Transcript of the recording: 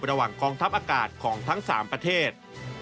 ระหว่างกองทัพอากาศของทั้ง๓ประเทศ